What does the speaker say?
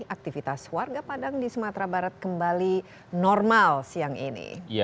aktivitas warga padang di sumatera barat kembali normal siang ini